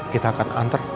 kita akan antar